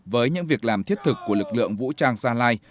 với những việc làm thiết thực của lực lượng vũ trang gia lai